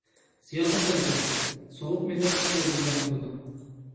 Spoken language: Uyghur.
زىيانلىق تەسىرى: سوغۇق مىزاج كىشىلەرگە زىيان قىلىدۇ.